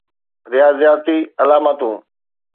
رياضياتي علامتون